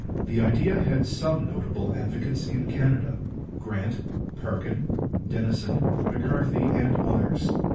The idea had some notable advocates in Canada Grant, Parkin, Denison, M'Carthy and others.